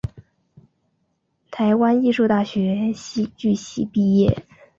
台湾艺术大学戏剧系毕业。